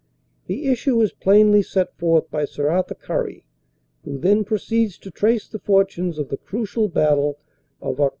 The issue is plainly set forth by Sir Arthur Currie who then proceeds to trace the fortunes of the crucial battle of Oct.